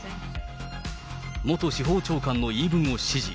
元司法長官の言い分を支持。